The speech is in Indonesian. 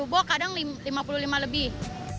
lima puluh boks kadang lima puluh lima lebih